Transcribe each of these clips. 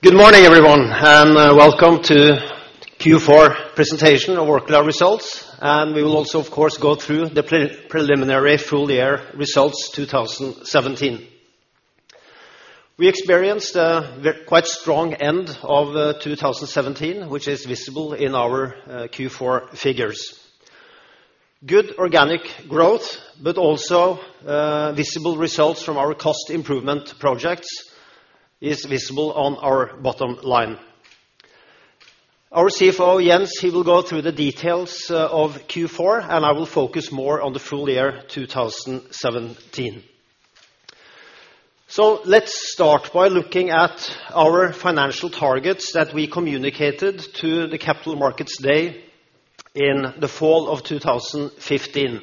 Good morning, everyone, welcome to Q4 presentation of Orkla results. We will also, of course, go through the preliminary full year results 2017. We experienced a quite strong end of 2017, which is visible in our Q4 figures. Good organic growth, but also visible results from our cost improvement projects is visible on our bottom line. Our CFO, Jens, he will go through the details of Q4, I will focus more on the full year 2017. Let's start by looking at our financial targets that we communicated to the capital markets day in the fall of 2015.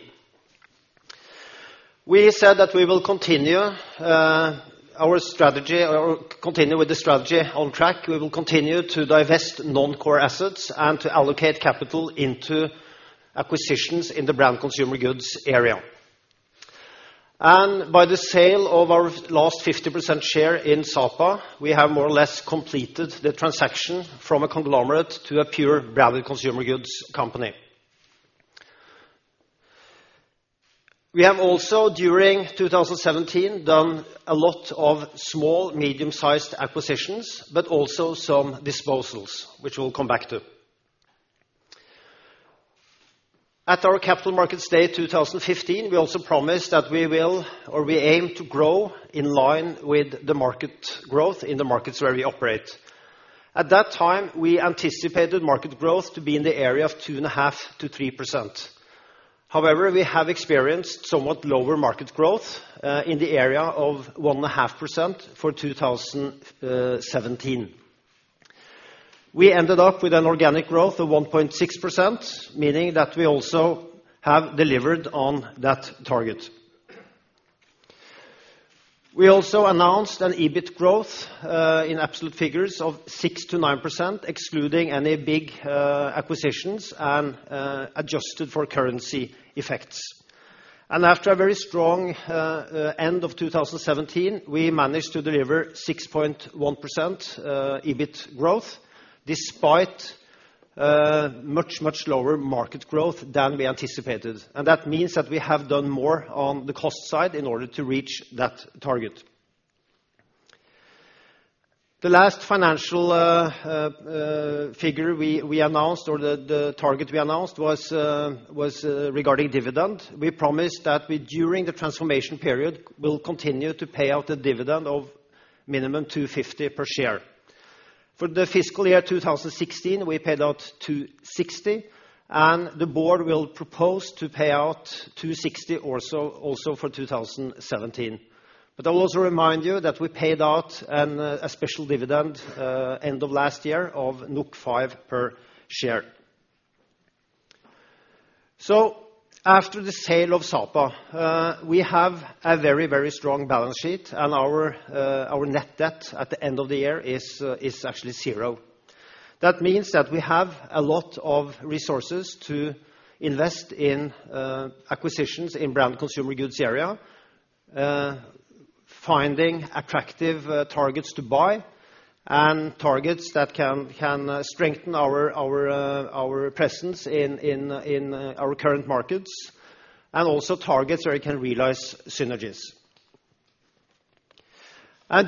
We said that we will continue with the strategy on track. We will continue to divest non-core assets and to allocate capital into acquisitions in the Branded Consumer Goods area. By the sale of our last 50% share in Sapa, we have more or less completed the transaction from a conglomerate to a pure Branded Consumer Goods company. We have also, during 2017, done a lot of small, medium-sized acquisitions, but also some disposals, which we'll come back to. At our capital markets day 2015, we also promised that we aim to grow in line with the market growth in the markets where we operate. At that time, we anticipated market growth to be in the area of 2.5%-3%. However, we have experienced somewhat lower market growth, in the area of 1.5% for 2017. We ended up with an organic growth of 1.6%, meaning that we also have delivered on that target. We also announced an EBIT growth, in absolute figures of 6%-9%, excluding any big acquisitions and adjusted for currency effects. After a very strong end of 2017, we managed to deliver 6.1% EBIT growth, despite much, much lower market growth than we anticipated. That means that we have done more on the cost side in order to reach that target. The last financial figure we announced, or the target we announced, was regarding dividend. We promised that during the transformation period, we'll continue to pay out a dividend of minimum 2.50 per share. For the fiscal year 2016, we paid out 2.60. The board will propose to pay out 2.60 also for 2017. I'll also remind you that we paid out a special dividend end of last year of 5 per share. After the sale of Sapa, we have a very, very strong balance sheet and our net debt at the end of the year is actually zero. That means that we have a lot of resources to invest in acquisitions in Branded Consumer Goods area, finding attractive targets to buy, and targets that can strengthen our presence in our current markets, and also targets where we can realize synergies.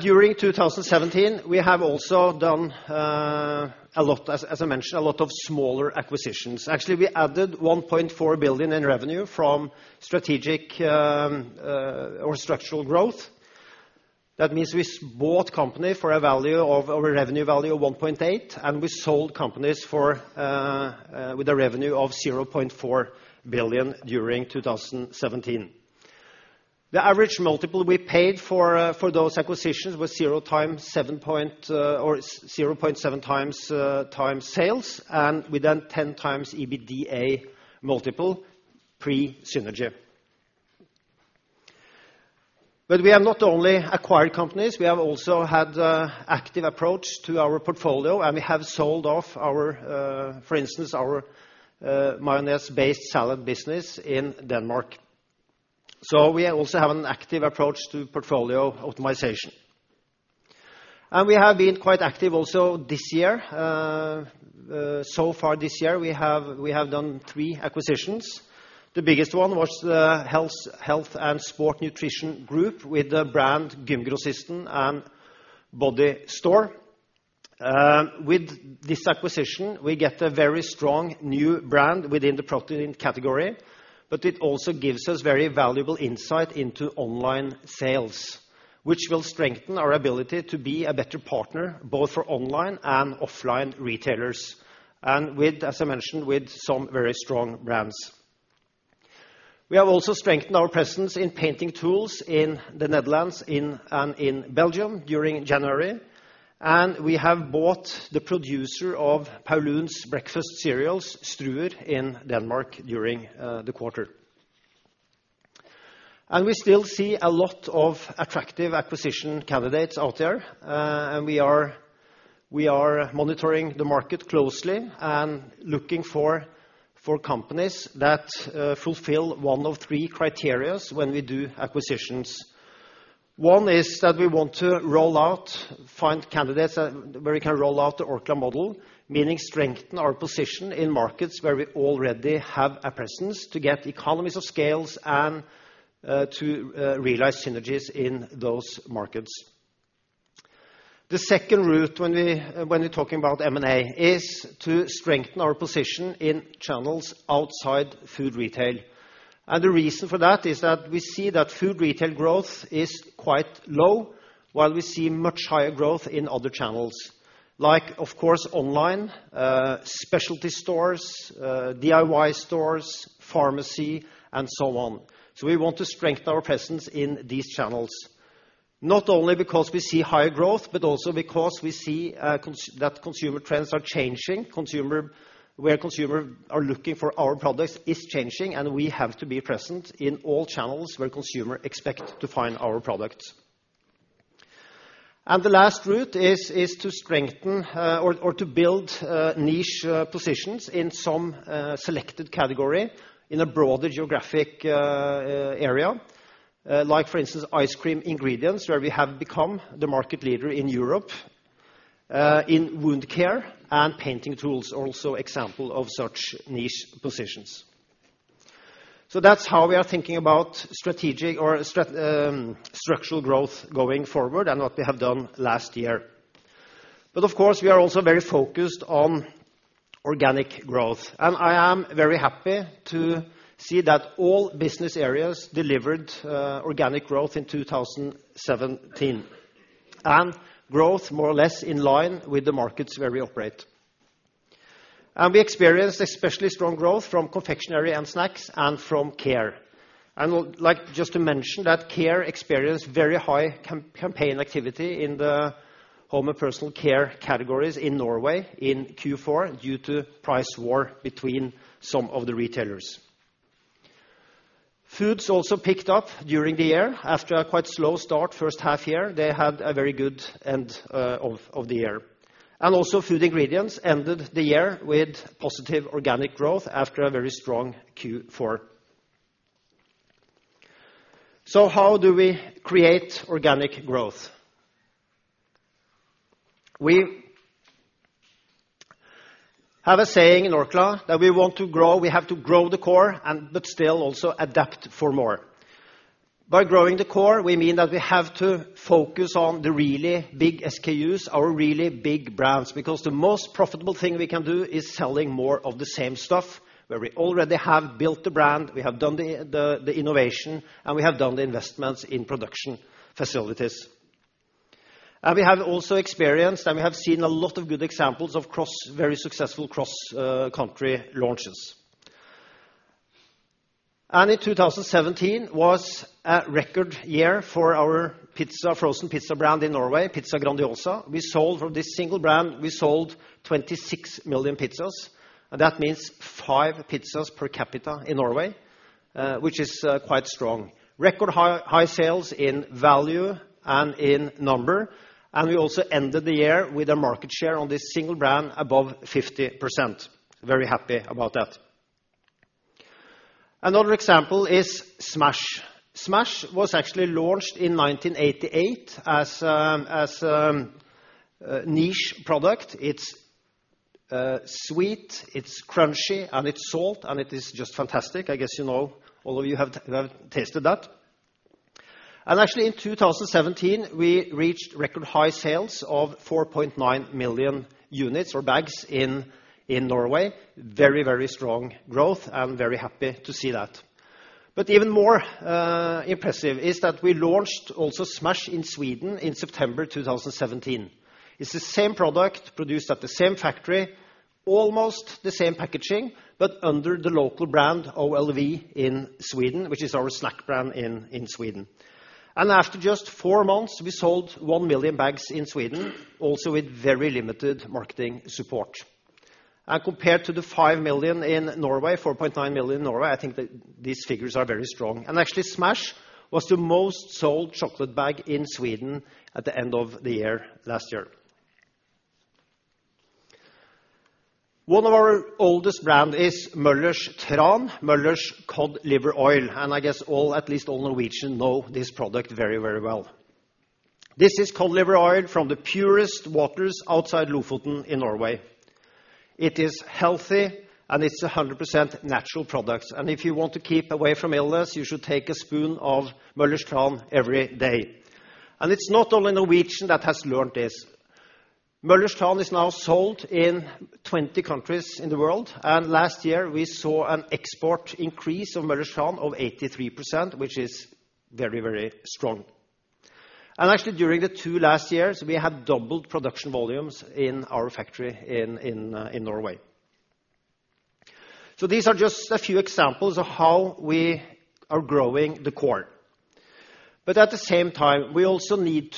During 2017, we have also done, as I mentioned, a lot of smaller acquisitions. Actually, we added 1.4 billion in revenue from strategic or structural growth. That means we bought company for a revenue value of 1.8 billion, and we sold companies with a revenue of 0.4 billion during 2017. The average multiple we paid for those acquisitions was 0.7x sales, and we done 10x EBITDA multiple pre-synergy. We have not only acquired companies, we have also had active approach to our portfolio, and we have sold off, for instance, our mayonnaise-based salad business in Denmark. We also have an active approach to portfolio optimization. We have been quite active also this year. Far this year, we have done 3 acquisitions. The biggest one was the Health and Sports Nutrition Group with the brand Gymgrossisten and Bodystore. With this acquisition, we get a very strong new brand within the protein category, but it also gives us very valuable insight into online sales, which will strengthen our ability to be a better partner, both for online and offline retailers. As I mentioned, with some very strong brands. We have also strengthened our presence in painting tools in the Netherlands and in Belgium during January. We have bought the producer of Paulúns breakfast cereals, Struer, in Denmark during the quarter. We still see a lot of attractive acquisition candidates out there. We are monitoring the market closely and looking for companies that fulfill one of 3 criterias when we do acquisitions. One is that we want to find candidates where we can roll out the Orkla model, meaning strengthen our position in markets where we already have a presence to get economies of scales and to realize synergies in those markets. The second route when we're talking about M&A, is to strengthen our position in channels outside food retail. The reason for that is that we see that food retail growth is quite low, while we see much higher growth in other channels like, of course, online, specialty stores, DIY stores, pharmacy, and so on. We want to strengthen our presence in these channels. Not only because we see higher growth, but also because we see that consumer trends are changing. Where consumer are looking for our products is changing, we have to be present in all channels where consumer expect to find our products. The last route is to strengthen or to build niche positions in some selected category in a broader geographic area. Like for instance, ice cream ingredients, where we have become the market leader in Europe, in wound care and painting tools are also example of such niche positions. That's how we are thinking about strategic or structural growth going forward and what we have done last year. Of course, we are also very focused on organic growth, and I am very happy to see that all business areas delivered organic growth in 2017, growth more or less in line with the markets where we operate. We experienced especially strong growth from confectionery and snacks and from care. I would like just to mention that care experienced very high campaign activity in the home and personal care categories in Norway in Q4, due to price war between some of the retailers. Foods also picked up during the year after a quite slow start first half year. They had a very good end of the year. Also food ingredients ended the year with positive organic growth after a very strong Q4. How do we create organic growth? We have a saying in Orkla that we want to grow, we have to grow the core, but still also adapt for more. By growing the core, we mean that we have to focus on the really big SKUs, our really big brands, because the most profitable thing we can do is selling more of the same stuff where we already have built the brand, we have done the innovation, and we have done the investments in production facilities. We have also experienced and we have seen a lot of good examples of very successful cross-country launches. In 2017 was a record year for our frozen pizza brand in Norway, Pizza Grandiosa. From this single brand, we sold 26 million pizzas. That means five pizzas per capita in Norway, which is quite strong. Record high sales in value and in number. We also ended the year with a market share on this single brand above 50%. Very happy about that. Another example is Smash. Smash was actually launched in 1988 as a niche product. It's sweet, it's crunchy, and it's salt, and it is just fantastic. I guess all of you have tasted that. Actually in 2017, we reached record high sales of 4.9 million units or bags in Norway. Very strong growth and very happy to see that. Even more impressive is that we launched also Smash in Sweden in September 2017. It's the same product produced at the same factory, almost the same packaging, but under the local brand OLW in Sweden, which is our snack brand in Sweden. After just four months, we sold 1 million bags in Sweden, also with very limited marketing support. Compared to the 4.9 million in Norway, I think these figures are very strong. Actually, Smash was the most sold chocolate bag in Sweden at the end of the year last year. One of our oldest brand is Møllers Tran, Møllers cod liver oil, and I guess at least all Norwegian know this product very well. This is cod liver oil from the purest waters outside Lofoten in Norway. It is healthy, and it's 100% natural products. If you want to keep away from illness, you should take a spoon of Møllers Tran every day. It's not only Norwegian that has learned this. Møllers Tran is now sold in 20 countries in the world, and last year we saw an export increase of Møllers Tran of 83%, which is very strong. Actually, during the two last years, we have doubled production volumes in our factory in Norway. These are just a few examples of how we are growing the core. At the same time, we also need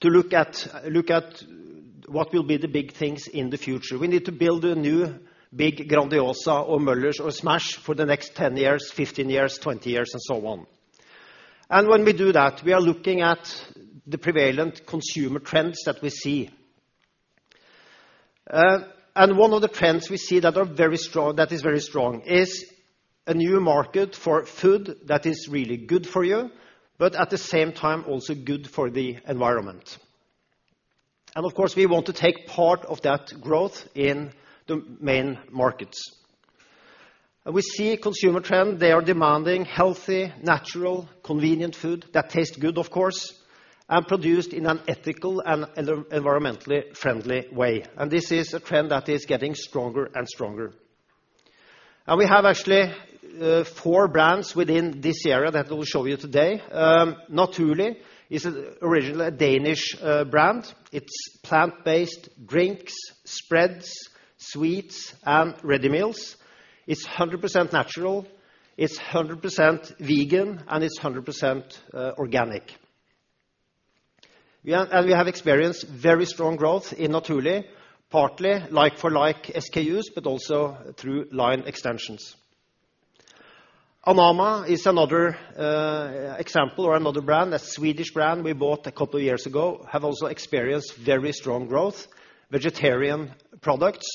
to look at what will be the big things in the future. We need to build a new big Grandiosa or Møllers or Smash for the next 10 years, 15 years, 20 years, and so on. When we do that, we are looking at the prevalent consumer trends that we see. One of the trends we see that is very strong is a new market for food that is really good for you, but at the same time, also good for the environment. Of course, we want to take part of that growth in the main markets. We see a consumer trend. They are demanding healthy, natural, convenient food that tastes good, of course, and produced in an ethical and environmentally friendly way. This is a trend that is getting stronger and stronger. We have actually four brands within this area that we'll show you today. Naturli is originally a Danish brand. It's plant-based drinks, spreads, sweets, and ready meals. It's 100% natural, it's 100% vegan, and it's 100% organic. We have experienced very strong growth in Naturli, partly like for like SKUs, but also through line extensions. Anamma is another example or another brand, a Swedish brand we bought a couple of years ago, have also experienced very strong growth, vegetarian products.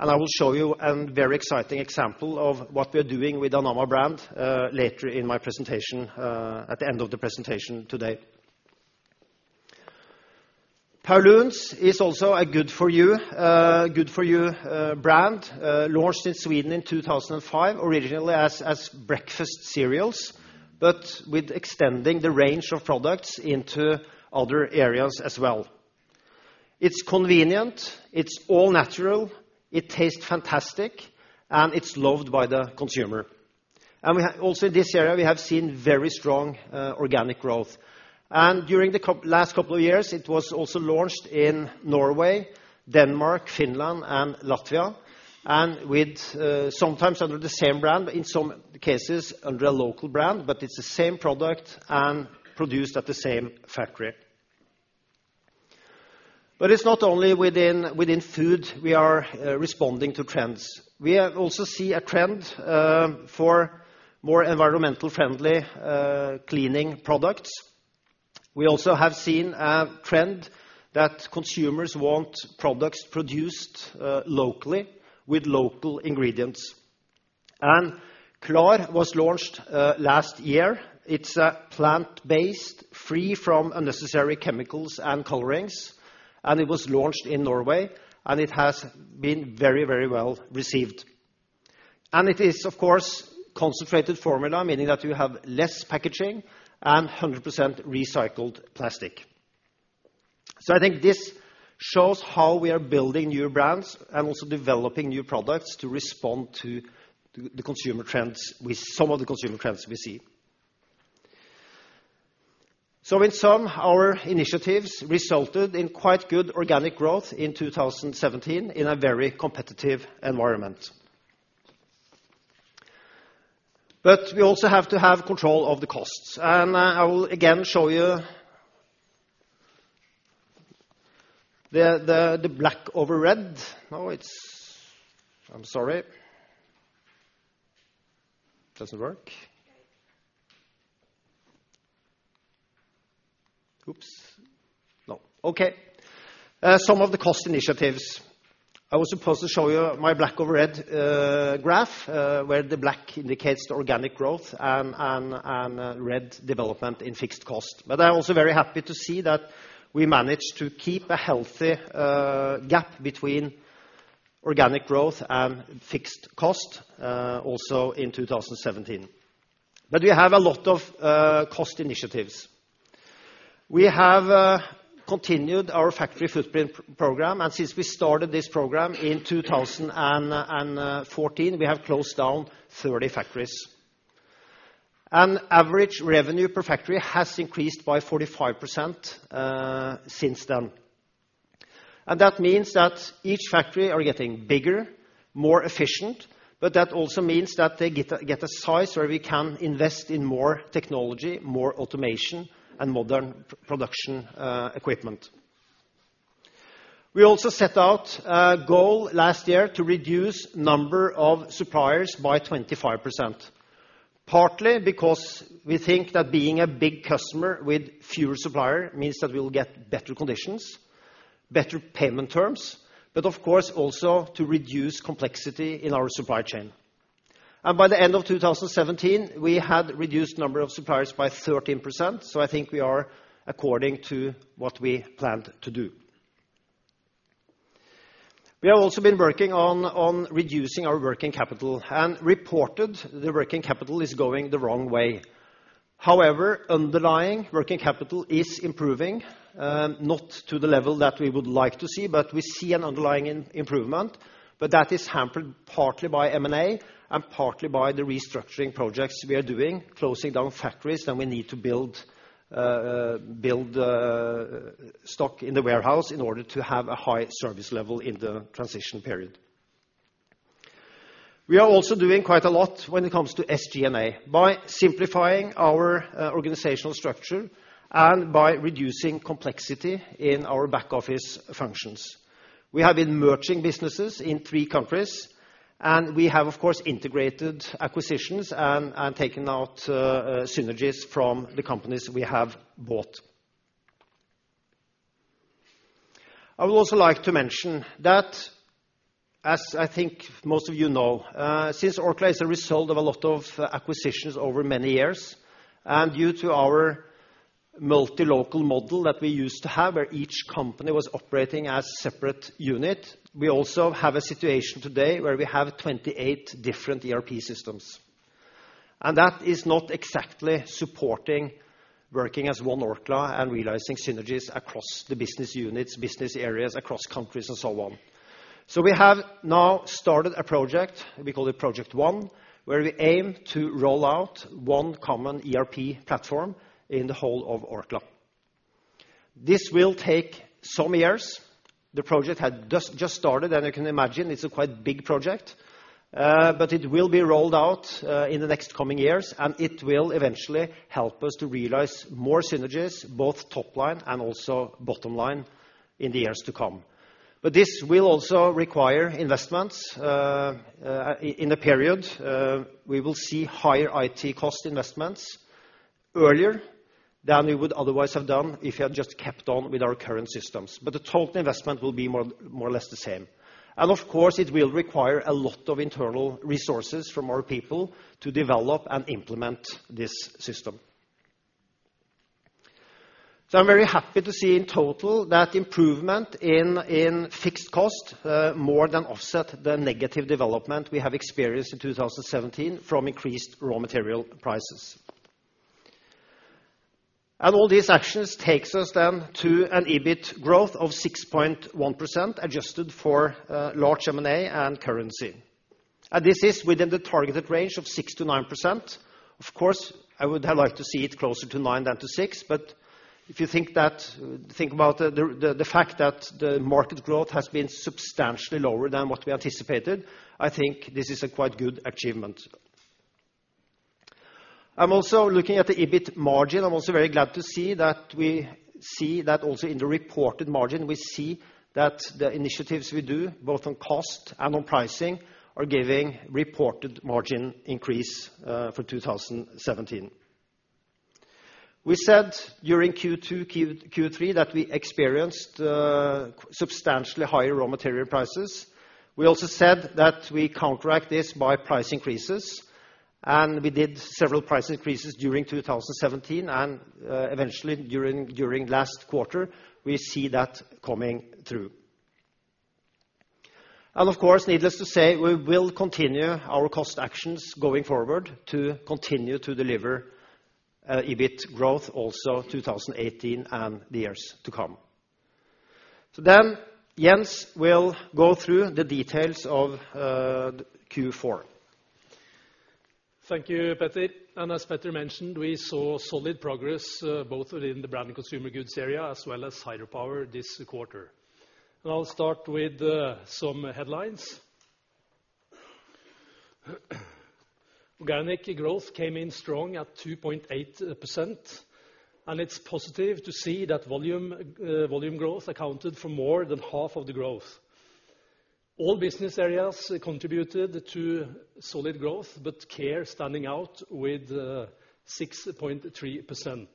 I will show you a very exciting example of what we're doing with Anamma brand later in my presentation, at the end of the presentation today. Paulúns is also a good for you brand, launched in Sweden in 2005, originally as breakfast cereals, but with extending the range of products into other areas as well. It's convenient, it's all natural, it tastes fantastic, and it's loved by the consumer. Also in this area, we have seen very strong organic growth. During the last couple of years, it was also launched in Norway, Denmark, Finland, and Latvia, sometimes under the same brand, but in some cases under a local brand, but it's the same product and produced at the same factory. It's not only within food we are responding to trends. We also see a trend for more environmental-friendly cleaning products. We also have seen a trend that consumers want products produced locally with local ingredients. Klar was launched last year. It's plant-based, free from unnecessary chemicals and colorings. It was launched in Norway, and it has been very well received. It is, of course, concentrated formula, meaning that you have less packaging and 100% recycled plastic. I think this shows how we are building new brands and also developing new products to respond to some of the consumer trends we see. In sum, our initiatives resulted in quite good organic growth in 2017 in a very competitive environment. We also have to have control of the costs. I will again show you the black over red. No, I'm sorry. It doesn't work. Oops. No. Okay. Some of the cost initiatives. I was supposed to show you my black over red graph, where the black indicates the organic growth and red development in fixed cost. I'm also very happy to see that we managed to keep a healthy gap between organic growth and fixed cost also in 2017. We have a lot of cost initiatives. We have continued our factory footprint program, and since we started this program in 2014, we have closed down 30 factories. Average revenue per factory has increased by 45% since then. That means that each factory are getting bigger, more efficient, but that also means that they get a size where we can invest in more technology, more automation, and modern production equipment. We also set out a goal last year to reduce number of suppliers by 25%, partly because we think that being a big customer with fewer supplier means that we will get better conditions, better payment terms, but of course, also to reduce complexity in our supply chain. By the end of 2017, we had reduced number of suppliers by 13%, so I think we are according to what we planned to do. We have also been working on reducing our working capital and reported the working capital is going the wrong way. However, underlying working capital is improving, not to the level that we would like to see, but we see an underlying improvement, but that is hampered partly by M&A and partly by the restructuring projects we are doing, closing down factories, then we need to build stock in the warehouse in order to have a high service level in the transition period. We are also doing quite a lot when it comes to SG&A by simplifying our organizational structure and by reducing complexity in our back office functions. We have been merging businesses in three countries, and we have, of course, integrated acquisitions and taken out synergies from the companies we have bought. I would also like to mention that, as I think most of you know, since Orkla is a result of a lot of acquisitions over many years and due to our multi-local model that we used to have, where each company was operating as a separate unit, we also have a situation today where we have 28 different ERP systems. That is not exactly supporting working as One Orkla and realizing synergies across the business units, business areas, across countries, and so on. We have now started a project, we call it Project One, where we aim to roll out one common ERP platform in the whole of Orkla. This will take some years. The project has just started, and you can imagine it's quite a big project. It will be rolled out in the next coming years, and it will eventually help us to realize more synergies, both top line and also bottom line in the years to come. This will also require investments. In a period, we will see higher IT cost investments earlier than we would otherwise have done if we had just kept on with our current systems. The total investment will be more or less the same. Of course, it will require a lot of internal resources from our people to develop and implement this system. I'm very happy to see in total that improvement in fixed cost more than offset the negative development we have experienced in 2017 from increased raw material prices. All these actions take us then to an EBIT growth of 6.1%, adjusted for large M&A and currency. This is within the targeted range of 6%-9%. Of course, I would have liked to see it closer to nine than to six, but if you think about the fact that the market growth has been substantially lower than what we anticipated, I think this is a quite good achievement. I'm also looking at the EBIT margin. I'm also very glad to see that also in the reported margin, we see that the initiatives we do, both on cost and on pricing, are giving reported margin increase for 2017. We said during Q2, Q3, that we experienced substantially higher raw material prices. We also said that we counteract this by price increases, and we did several price increases during 2017, and eventually during last quarter, we see that coming through. Of course, needless to say, we will continue our cost actions going forward to continue to deliver EBIT growth also 2018 and the years to come. Jens will go through the details of Q4. Thank you, Peter. As Peter mentioned, we saw solid progress both within the Branded Consumer Goods area as well as Hydropower this quarter. I'll start with some headlines. Organic growth came in strong at 2.8%, and it's positive to see that volume growth accounted for more than half of the growth. All business areas contributed to solid growth, but Care standing out with 6.3%.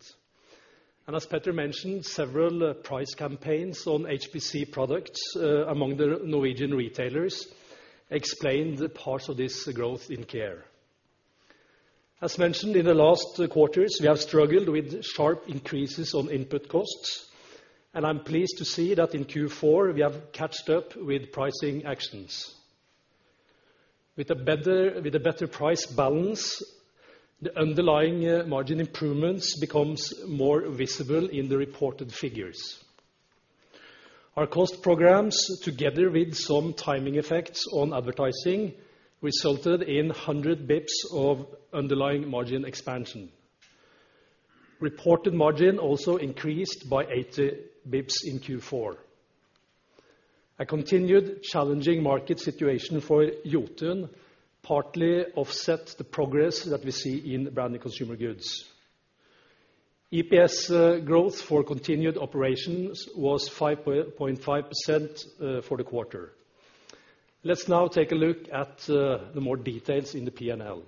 As Peter mentioned, several price campaigns on HPC products among the Norwegian retailers explain the parts of this growth in Care. As mentioned in the last quarters, we have struggled with sharp increases on input costs, and I'm pleased to see that in Q4, we have catched up with pricing actions. With a better price balance, the underlying margin improvements becomes more visible in the reported figures. Our cost programs, together with some timing effects on advertising, resulted in 100 bps of underlying margin expansion. Reported margin also increased by 80 bps in Q4. A continued challenging market situation for Jotun partly offset the progress that we see in Branded Consumer Goods. EPS growth for continued operations was 5.5% for the quarter. Let's now take a look at the more details in the P&L.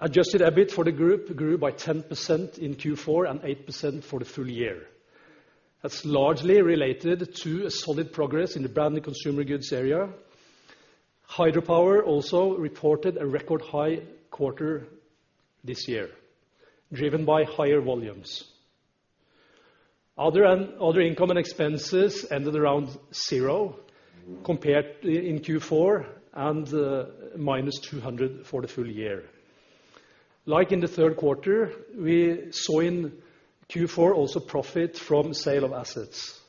Adjusted EBIT for the group grew by 10% in Q4 and 8% for the full year. That's largely related to a solid progress in the Branded Consumer Goods area. Hydropower also reported a record high quarter this year, driven by higher volumes. Other income and expenses ended around zero compared in Q4 and minus 200 for the full year. Like in the third quarter, we saw in Q4 also profit from sale of assets.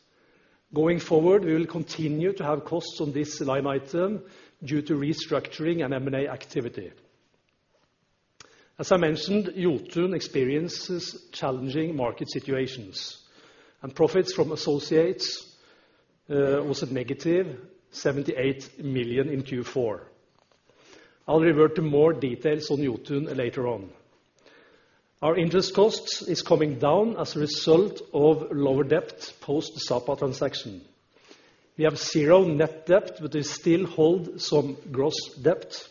Going forward, we will continue to have costs on this line item due to restructuring and M&A activity. As I mentioned, Jotun experiences challenging market situations, and profits from associates was negative, 78 million in Q4. I'll revert to more details on Jotun later on. Our interest costs is coming down as a result of lower debt post Sapa transaction. We have zero net debt, but we still hold some gross debt.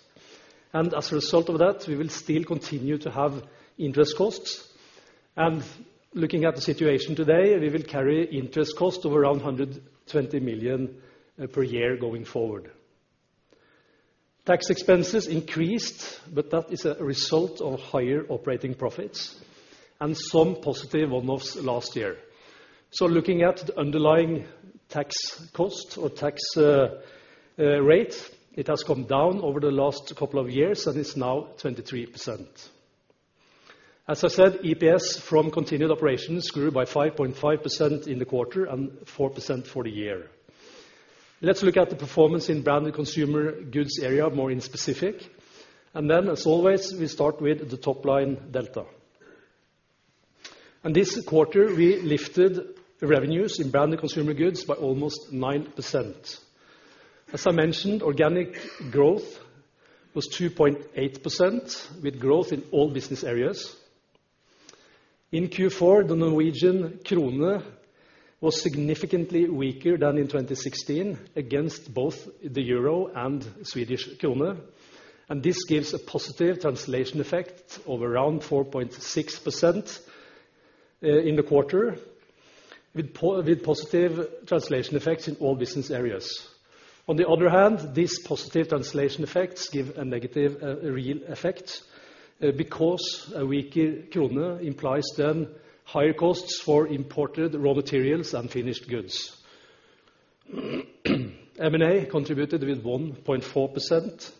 As a result of that, we will still continue to have interest costs. Looking at the situation today, we will carry interest costs of around 120 million per year going forward. Tax expenses increased, but that is a result of higher operating profits and some positive one-offs last year. Looking at the underlying tax cost or tax rate, it has come down over the last couple of years and is now 23%. As I said, EPS from continued operations grew by 5.5% in the quarter and 4% for the year. Let's look at the performance in Branded Consumer Goods area more in specific, and then as always, we start with the top-line delta. This quarter, we lifted revenues in Branded Consumer Goods by almost 9%. As I mentioned, organic growth was 2.8% with growth in all business areas. In Q4, the Norwegian krone was significantly weaker than in 2016 against both the EUR and Swedish krone. This gives a positive translation effect of around 4.6% in the quarter with positive translation effects in all business areas. On the other hand, these positive translation effects give a negative real effect, because a weaker krone implies then higher costs for imported raw materials and finished goods. M&A contributed with 1.4%,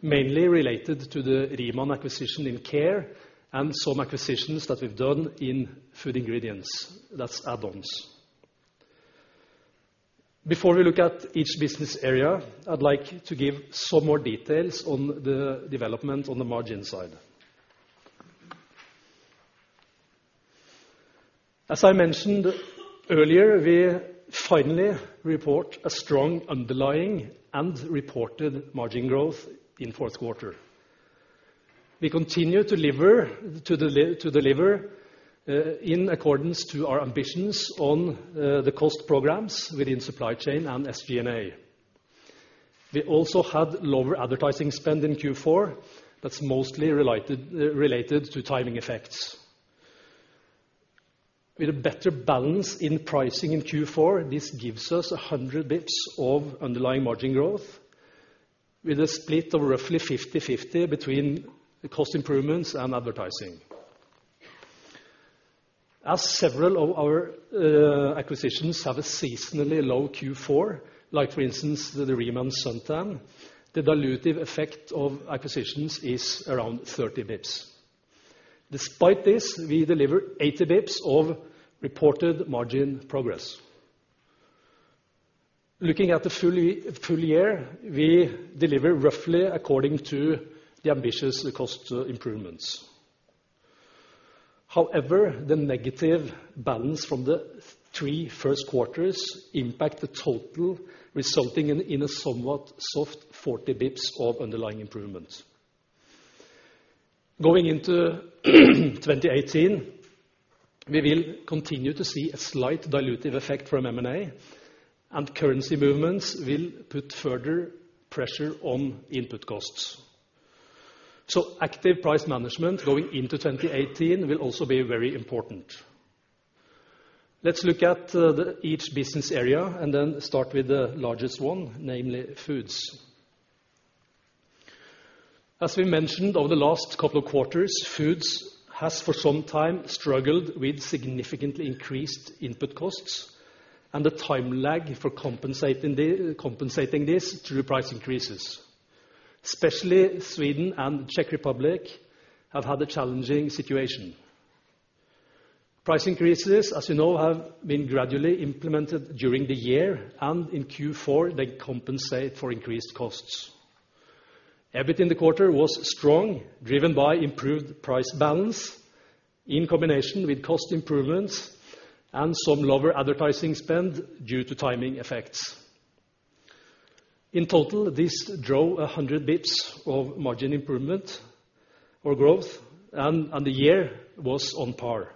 mainly related to the Riemann acquisition in care and some acquisitions that we've done in food ingredients. That's add-ons. Before we look at each business area, I'd like to give some more details on the development on the margin side. As I mentioned earlier, we finally report a strong underlying and reported margin growth in fourth quarter. We continue to deliver in accordance to our ambitions on the cost programs within supply chain and SG&A. We also had lower advertising spend in Q4. That's mostly related to timing effects. With a better balance in pricing in Q4, this gives us 100 basis points of underlying margin growth with a split of roughly 50/50 between cost improvements and advertising. As several of our acquisitions have a seasonally low Q4, like for instance, the Riemann P20, the dilutive effect of acquisitions is around 30 basis points. Despite this, we deliver 80 basis points of reported margin progress. Looking at the full year, we deliver roughly according to the ambitious cost improvements. However, the negative balance from the three first quarters impact the total, resulting in a somewhat soft 40 basis points of underlying improvements. Going into 2018, we will continue to see a slight dilutive effect from M&A and currency movements will put further pressure on input costs. Active price management going into 2018 will also be very important. Let's look at each business area and then start with the largest one, namely foods. As we mentioned, over the last couple of quarters, foods has for some time struggled with significantly increased input costs and a time lag for compensating this through price increases, especially Sweden and Czech Republic have had a challenging situation. Price increases, as you know, have been gradually implemented during the year and in Q4, they compensate for increased costs. EBIT in the quarter was strong, driven by improved price balance in combination with cost improvements and some lower advertising spend due to timing effects. In total, this drove 100 basis points of margin improvement or growth, and the year was on par.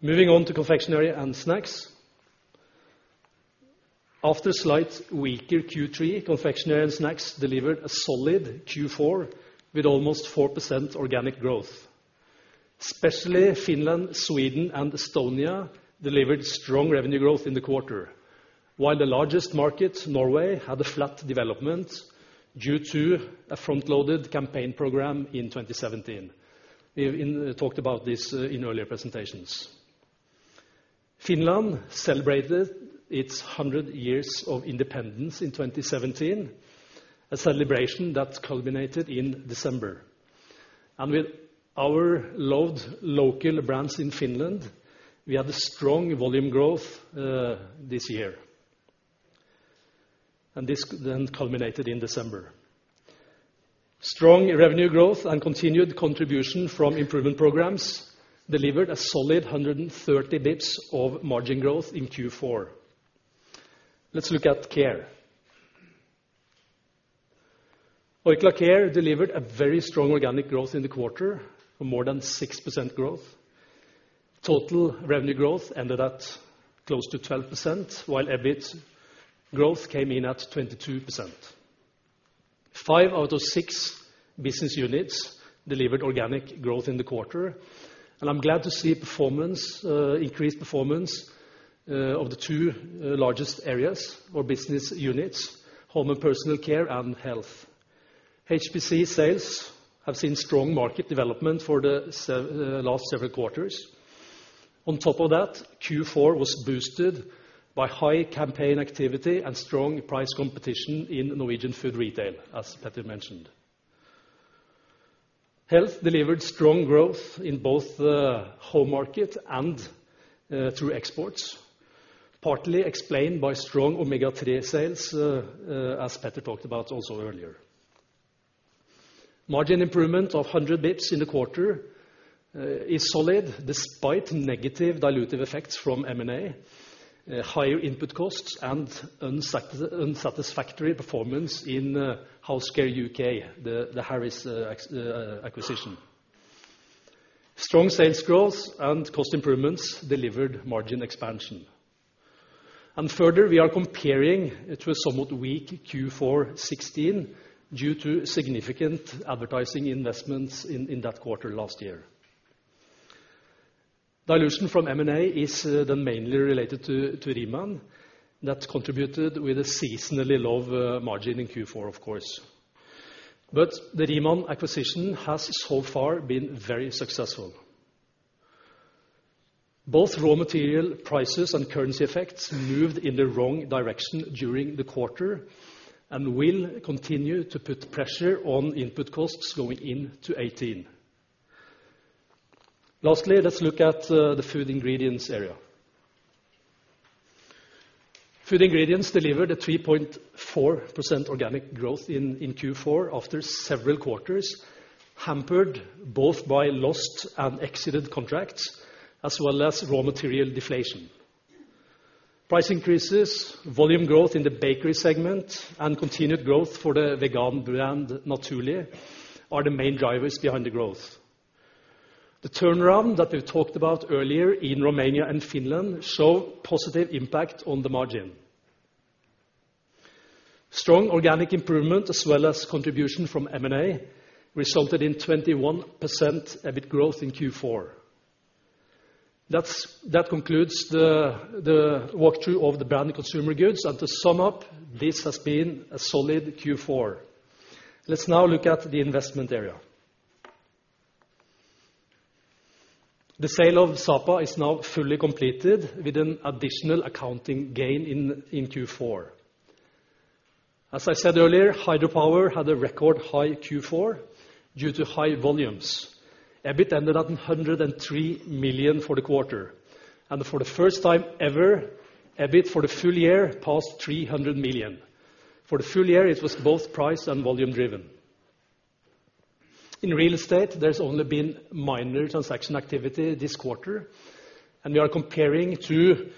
Moving on to confectionery and snacks. After slight weaker Q3, confectionery and snacks delivered a solid Q4 with almost 4% organic growth, especially Finland, Sweden and Estonia delivered strong revenue growth in the quarter. While the largest market, Norway, had a flat development due to a front-loaded campaign program in 2017. We talked about this in earlier presentations. Finland celebrated its 100 years of independence in 2017, a celebration that culminated in December. With our loved local brands in Finland, we had a strong volume growth this year, this then culminated in December. Strong revenue growth and continued contribution from improvement programs delivered a solid 130 basis points of margin growth in Q4. Let's look at Care. Orkla Care delivered a very strong organic growth in the quarter of more than 6% growth. Total revenue growth ended at close to 12%, while EBIT growth came in at 22%. Five out of six business units delivered organic growth in the quarter, and I'm glad to see increased performance of the two largest areas or business units, Home and Personal Care and Health. HPC sales have seen strong market development for the last several quarters. On top of that, Q4 was boosted by high campaign activity and strong price competition in Norwegian food retail, as Peter mentioned. Health delivered strong growth in both the home market and through exports, partly explained by strong omega-3 sales, as Peter talked about also earlier. Margin improvement of 100 basis points in the quarter is solid despite negative dilutive effects from M&A, higher input costs, and unsatisfactory performance in House Care UK, the Harris acquisition. Strong sales growth and cost improvements delivered margin expansion. Further, we are comparing it to a somewhat weak Q4 2016 due to significant advertising investments in that quarter last year. Dilution from M&A is mainly related to Riemann. That contributed with a seasonally low margin in Q4, of course. The Riemann acquisition has so far been very successful. Both raw material prices and currency effects moved in the wrong direction during the quarter and will continue to put pressure on input costs going into 2018. Lastly, let's look at the Food Ingredients area. Food Ingredients delivered a 3.4% organic growth in Q4 after several quarters hampered both by lost and exited contracts, as well as raw material deflation. Price increases, volume growth in the bakery segment, and continued growth for the vegan brand Naturli' are the main drivers behind the growth. The turnaround that we talked about earlier in Romania and Finland show positive impact on the margin. Strong organic improvement as well as contribution from M&A resulted in 21% EBIT growth in Q4. That concludes the walkthrough of the Branded Consumer Goods. To sum up, this has been a solid Q4. Let's now look at the investment area. The sale of Sapa is now fully completed with an additional accounting gain in Q4. As I said earlier, Hydropower had a record high Q4 due to high volumes. EBIT ended at 103 million for the quarter. For the first time ever, EBIT for the full year passed 300 million. For the full year, it was both price and volume driven. In real estate, there's only been minor transaction activity this quarter, and we are comparing to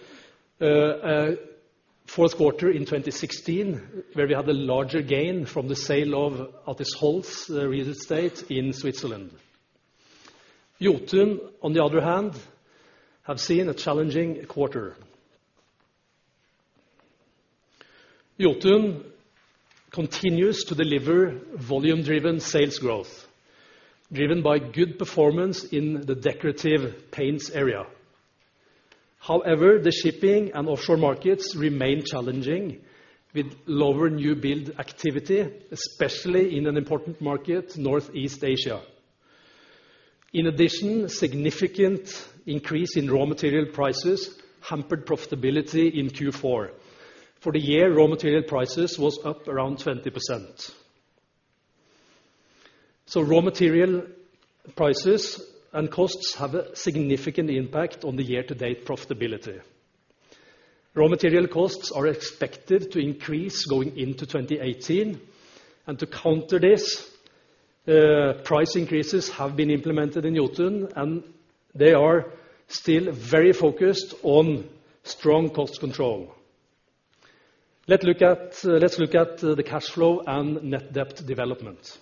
fourth quarter in 2016, where we had a larger gain from the sale of Attisholz real estate in Switzerland. Jotun, on the other hand, have seen a challenging quarter. Jotun continues to deliver volume-driven sales growth, driven by good performance in the decorative paints area. However, the shipping and offshore markets remain challenging with lower new build activity, especially in an important market, Northeast Asia. In addition, significant increase in raw material prices hampered profitability in Q4. For the year, raw material prices was up around 20%. Raw material prices and costs have a significant impact on the year-to-date profitability. Raw material costs are expected to increase going into 2018. To counter this, price increases have been implemented in Jotun. They are still very focused on strong cost control. Let's look at the cash flow and net debt development.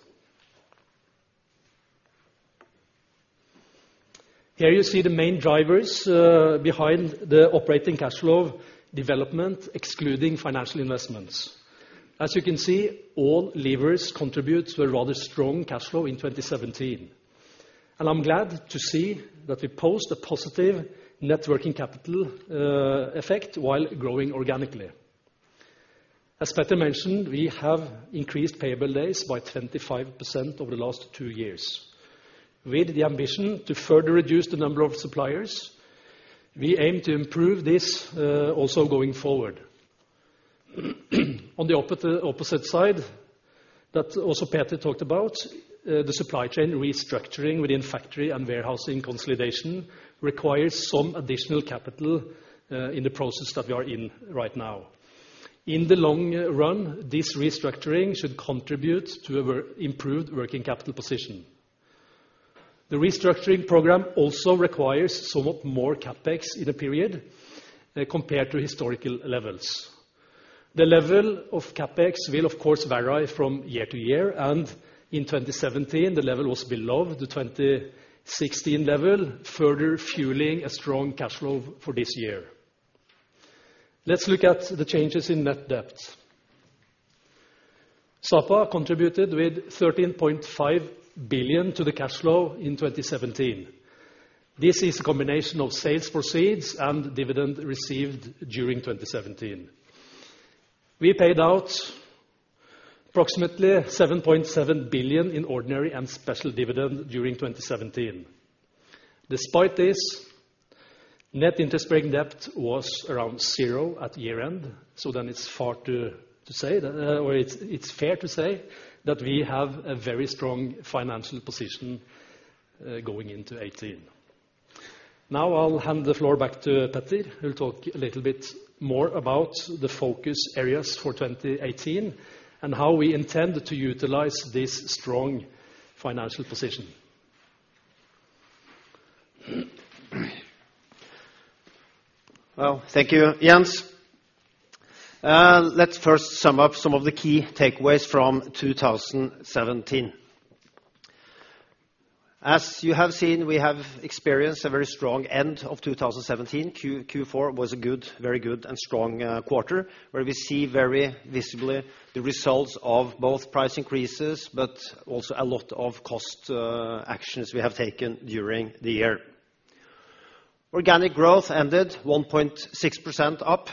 Here you see the main drivers behind the operating cash flow development, excluding financial investments. You can see all levers contribute to a rather strong cash flow in 2017. I'm glad to see that we post a positive net working capital effect while growing organically. As Peter mentioned, we have increased payable days by 25% over the last two years. With the ambition to further reduce the number of suppliers, we aim to improve this also going forward. On the opposite side, that also Peter talked about, the supply chain restructuring within factory and warehousing consolidation requires some additional capital in the process that we are in right now. In the long run, this restructuring should contribute to our improved working capital position. The restructuring program also requires somewhat more CapEx in the period compared to historical levels. The level of CapEx will, of course, vary from year to year. In 2017, the level was below the 2016 level, further fueling a strong cash flow for this year. Let's look at the changes in net debt. Sapa contributed with 13.5 billion to the cash flow in 2017. This is a combination of sales proceeds and dividend received during 2017. We paid out approximately 7.7 billion in ordinary and special dividend during 2017. Despite this, net interest-bearing debt was around zero at year-end. It's fair to say that we have a very strong financial position going into 2018. Now I'll hand the floor back to Peter, who will talk a little bit more about the focus areas for 2018 and how we intend to utilize this strong financial position. Well, thank you, Jens. Let's first sum up some of the key takeaways from 2017. You have seen we have experienced a very strong end of 2017. Q4 was a very good and strong quarter, where we see very visibly the results of both price increases, also a lot of cost actions we have taken during the year. Organic growth ended 1.6% up,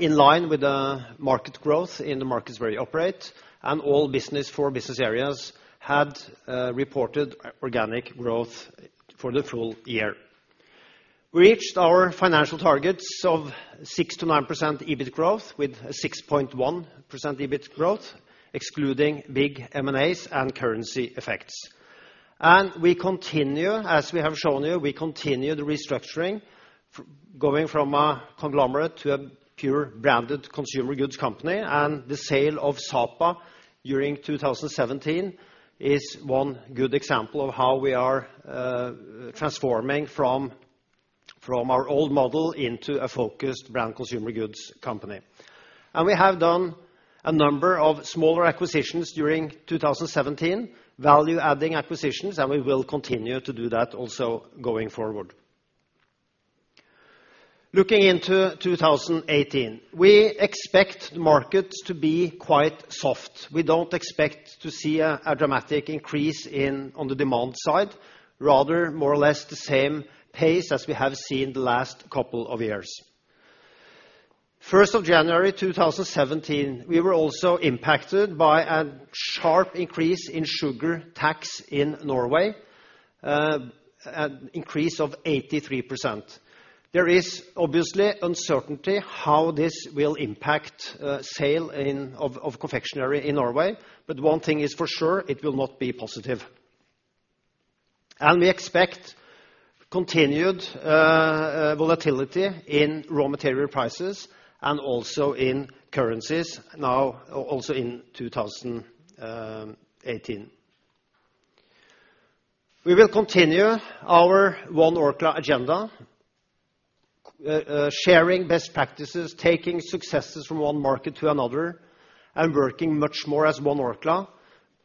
in line with the market growth in the markets where we operate. All four business areas had reported organic growth for the full year. We reached our financial targets of 6%-9% EBIT growth with 6.1% EBIT growth, excluding big M&As and currency effects. As we have shown you, we continue the restructuring, going from a conglomerate to a pure Branded Consumer Goods company, the sale of Sapa during 2017 is one good example of how we are transforming from our old model into a focused Branded Consumer Goods company. We have done a number of smaller acquisitions during 2017, value-adding acquisitions, and we will continue to do that also going forward. Looking into 2018, we expect markets to be quite soft. We don't expect to see a dramatic increase on the demand side, rather more or less the same pace as we have seen the last couple of years. 1st of January 2017, we were also impacted by a sharp increase in sugar tax in Norway, an increase of 83%. There is obviously uncertainty how this will impact sale of confectionery in Norway, one thing is for sure, it will not be positive. We expect continued volatility in raw material prices and also in currencies now, also in 2018. We will continue our One Orkla agenda, sharing best practices, taking successes from one market to another, working much more as One Orkla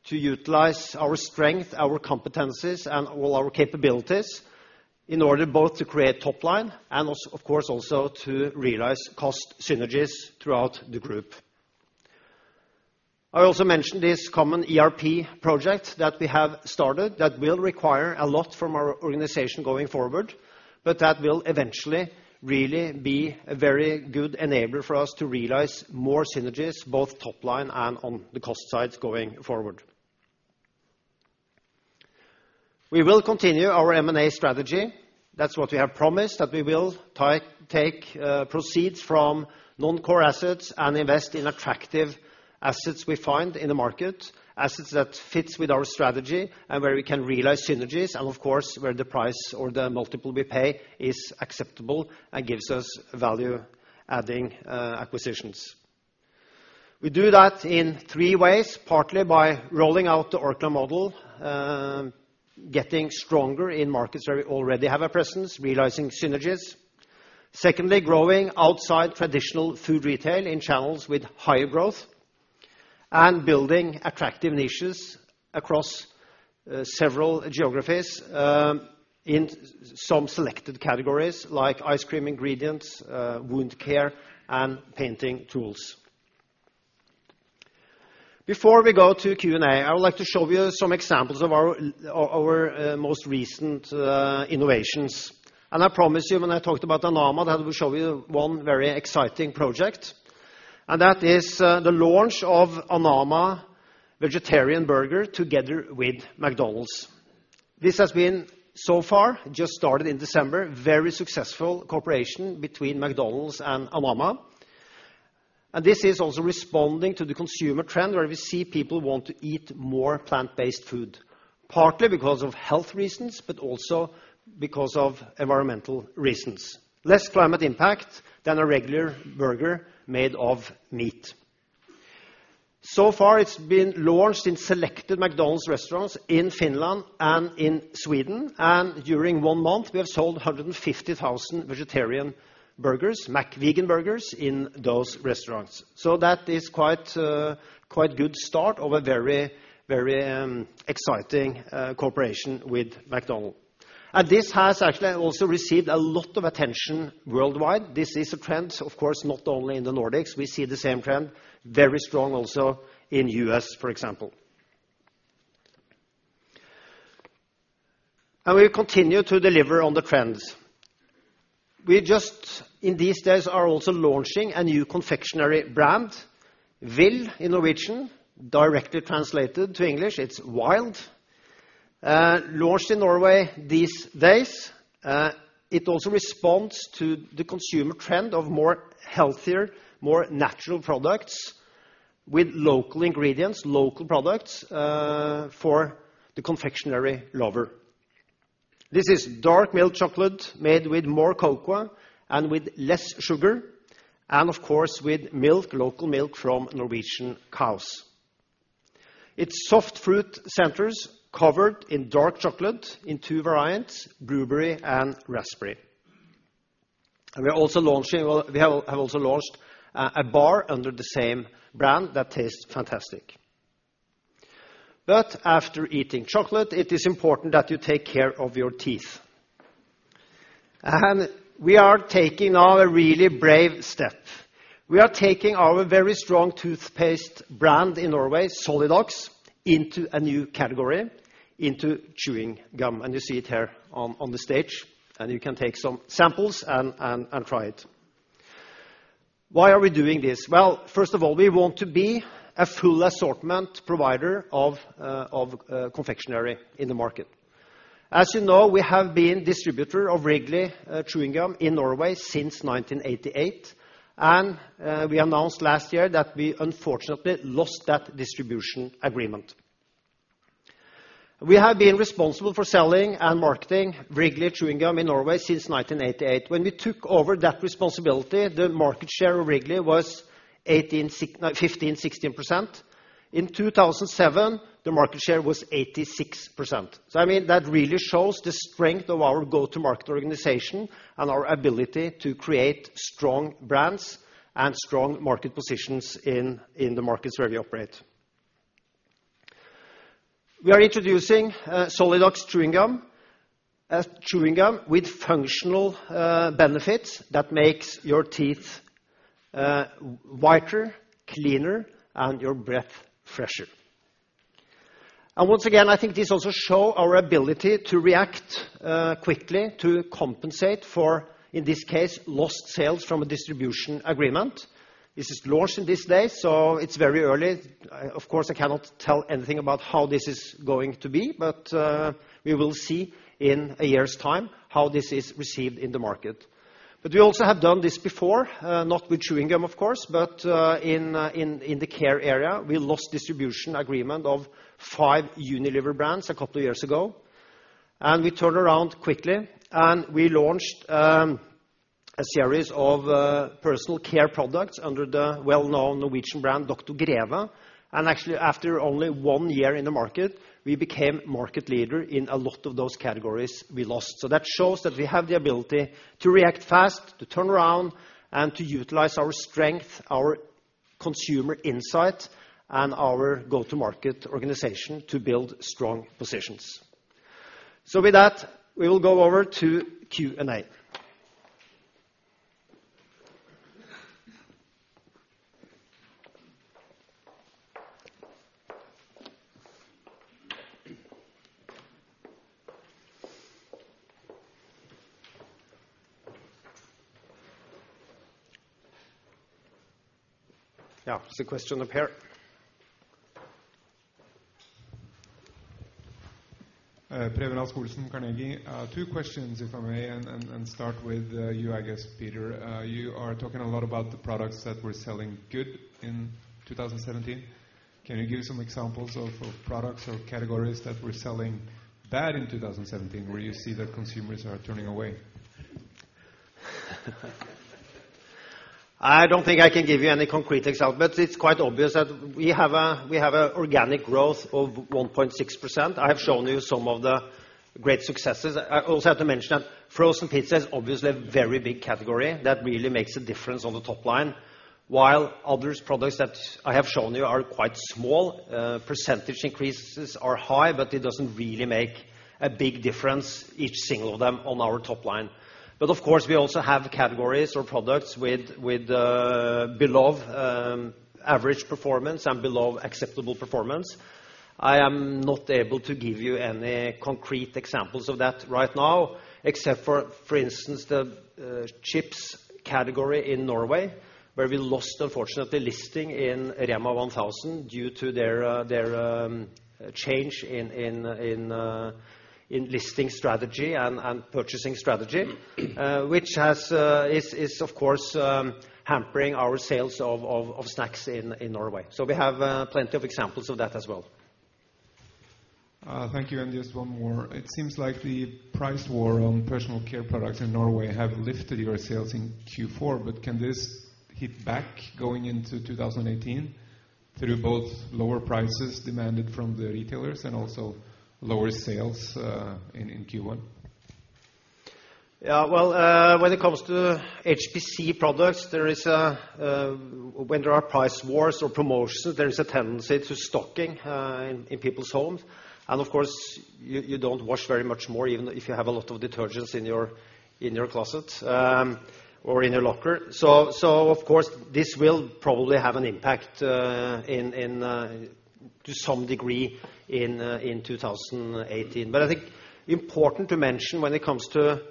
to utilize our strength, our competencies, and all our capabilities in order both to create top line and, of course, also to realize cost synergies throughout the group. I also mentioned this common ERP project that we have started that will require a lot from our organization going forward, but that will eventually really be a very good enabler for us to realize more synergies, both top line and on the cost side going forward. We will continue our M&A strategy. That's what we have promised, that we will take proceeds from non-core assets and invest in attractive assets we find in the market, assets that fits with our strategy and where we can realize synergies and, of course, where the price or the multiple we pay is acceptable and gives us value-adding acquisitions. We do that in three ways, partly by rolling out the Orkla model, getting stronger in markets where we already have a presence, realizing synergies. Secondly, growing outside traditional food retail in channels with higher growth, building attractive niches across several geographies in some selected categories like ice cream ingredients, wound care, and painting tools. Before we go to Q&A, I would like to show you some examples of our most recent innovations. I promised you when I talked about Anamma that I will show you one very exciting project, that is the launch of Anamma vegetarian burger together with McDonald's. This has been so far, just started in December, very successful cooperation between McDonald's and Anamma. This is also responding to the consumer trend where we see people want to eat more plant-based food, partly because of health reasons, but also because of environmental reasons. Less climate impact than a regular burger made of meat. Far, it's been launched in selected McDonald's restaurants in Finland and in Sweden, during one month, we have sold 150,000 vegetarian burgers, McVegan burgers, in those restaurants. That is quite a good start of a very exciting cooperation with McDonald's. This has actually also received a lot of attention worldwide. This is a trend, of course, not only in the Nordics. We see the same trend, very strong also in U.S., for example. We continue to deliver on the trends. We just, in these days, are also launching a new confectionery brand, Vill in Norwegian, directly translated to English, it's Wild. Launched in Norway these days. It also responds to the consumer trend of more healthier, more natural products with local ingredients, local products, for the confectionery lover. This is dark milk chocolate made with more cocoa and with less sugar, of course, with local milk from Norwegian cows. It's soft fruit centers covered in dark chocolate in two variants, blueberry and raspberry. We have also launched a bar under the same brand that tastes fantastic. After eating chocolate, it is important that you take care of your teeth. We are taking now a really brave step. We are taking our very strong toothpaste brand in Norway, Solidox, into a new category, into chewing gum, and you see it here on the stage, and you can take some samples and try it. Why are we doing this? Well, first of all, we want to be a full assortment provider of confectionery in the market. As you know, we have been distributor of Wrigley chewing gum in Norway since 1988. We announced last year that we unfortunately lost that distribution agreement. We have been responsible for selling and marketing Wrigley chewing gum in Norway since 1988. When we took over that responsibility, the market share of Wrigley was 15%, 16%. In 2007, the market share was 86%. I mean, that really shows the strength of our go-to-market organization and our ability to create strong brands and strong market positions in the markets where we operate. We are introducing Solidox chewing gum. A chewing gum with functional benefits that makes your teeth whiter, cleaner, and your breath fresher. Once again, I think this also shows our ability to react quickly to compensate for, in this case, lost sales from a distribution agreement. This is launched in these days, so it's very early. Of course, I cannot tell anything about how this is going to be, we will see in a year's time how this is received in the market. We also have done this before, not with chewing gum, of course, but in the care area. We lost distribution agreement of five Unilever brands a couple of years ago. We turned around quickly, and we launched a series of personal care products under the well-known Norwegian brand, Dr Greve. Actually, after only one year in the market, we became market leader in a lot of those categories we lost. That shows that we have the ability to react fast, to turn around, and to utilize our strength, our consumer insight, and our go-to-market organization to build strong positions. With that, we will go over to Q&A. Yeah. There's a question up here. Preben Aas-Olsen, Carnegie. Two questions, if I may. Start with you, I guess, Peter. You are talking a lot about the products that were selling good in 2017. Can you give some examples of products or categories that were selling bad in 2017, where you see that consumers are turning away? I don't think I can give you any concrete examples. It's quite obvious that we have an organic growth of 1.6%. I have shown you some of the great successes. I also have to mention that frozen pizza is obviously a very big category that really makes a difference on the top line. While others products that I have shown you are quite small, percentage increases are high, but it doesn't really make a big difference, each single of them, on our top line. Of course, we also have categories or products with below average performance and below acceptable performance. I am not able to give you any concrete examples of that right now, except for instance, the chips category in Norway, where we lost, unfortunately, listing in REMA 1000 due to their change in listing strategy and purchasing strategy, which is, of course, hampering our sales of snacks in Norway. We have plenty of examples of that as well. Thank you. Just one more. It seems like the price war on personal care products in Norway have lifted your sales in Q4, but can this hit back going into 2018 through both lower prices demanded from the retailers and also lower sales, in Q1? Well, when it comes to HPC products, when there are price wars or promotions, there is a tendency to stocking in people's homes. And of course, you don't wash very much more, even if you have a lot of detergents in your closet, or in your locker. Of course, this will probably have an impact to some degree in 2018. I think important to mention when it comes to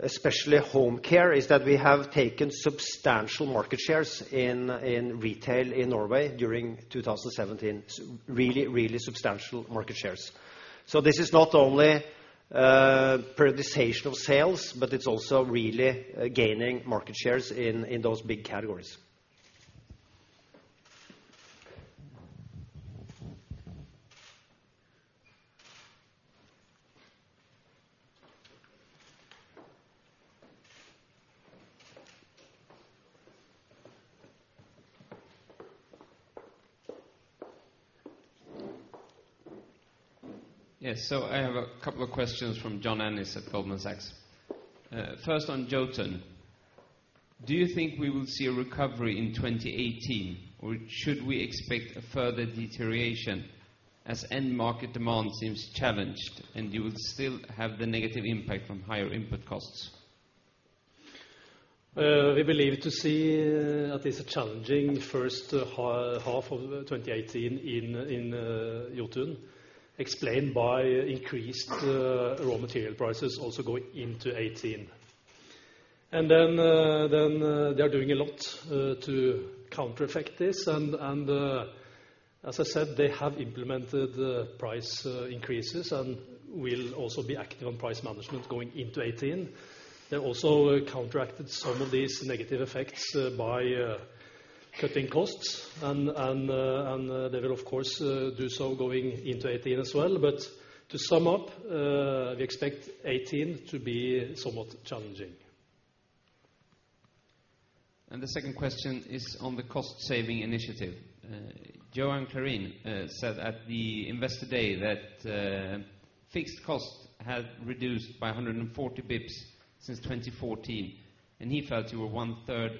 especially home care, is that we have taken substantial market shares in retail in Norway during 2017. Really substantial market shares. This is not only prioritization of sales, but it's also really gaining market shares in those big categories. Yes. I have a couple of questions from John Ennis at Goldman Sachs. First on Jotun. Do you think we will see a recovery in 2018, or should we expect a further deterioration, as end market demand seems challenged, and you will still have the negative impact from higher input costs? We believe to see at least a challenging first half of 2018 in Jotun, explained by increased raw material prices also going into 2018. They are doing a lot to counter-effect this. As I said, they have implemented price increases and will also be active on price management going into 2018. They also counteracted some of these negative effects by cutting costs and they will, of course, do so going into 2018 as well. To sum up, we expect 2018 to be somewhat challenging. The second question is on the cost-saving initiative. Johan Clarin said at the Investor Day that fixed costs have reduced by 140 basis points since 2014, and he felt you were one third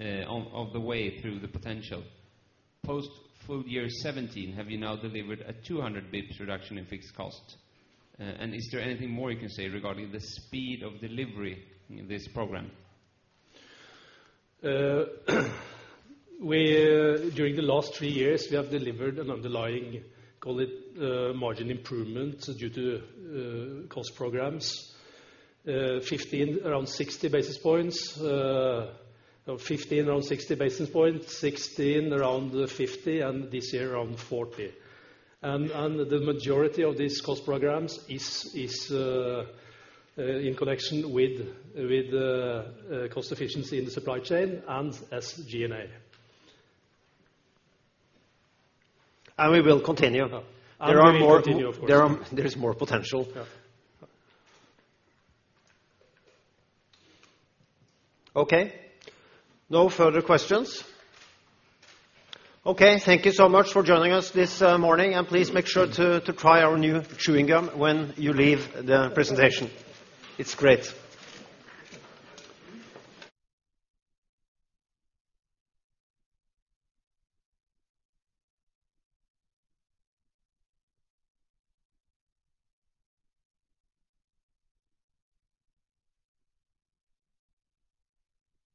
of the way through the potential. Post full year 2017, have you now delivered a 200 basis points reduction in fixed costs? Is there anything more you can say regarding the speed of delivery in this program? During the last three years, we have delivered an underlying, call it, margin improvement due to cost programs. 2015, around 60 basis points. 2016, around 50, and this year around 40. The majority of these cost programs is in connection with cost efficiency in the supply chain and SG&A. We will continue. We will continue, of course. There is more potential. Yeah. Okay. No further questions? Okay. Thank you so much for joining us this morning, and please make sure to try our new chewing gum when you leave the presentation. It's great.